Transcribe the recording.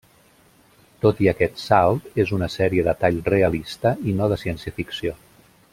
Tot i aquest salt, és una sèrie de tall realista i no de ciència-ficció.